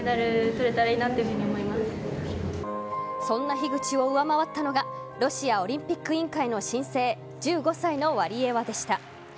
そんな樋口を上回ったのがロシアオリンピック委員会の新星１５歳のワリエワでした。